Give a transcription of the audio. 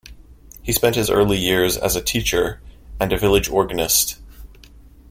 He spent his early years as a teacher and a village organist.